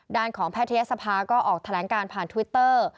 ด้านของแพทยศภาก็ออกแถลงการผ่านทวิตเตอร์